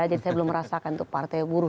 saya belum merasakan untuk partai buruh